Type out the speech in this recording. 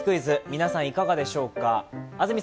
皆さんいかがでしょう？